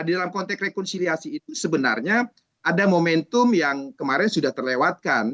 di dalam konteks rekonsiliasi itu sebenarnya ada momentum yang kemarin sudah terlewatkan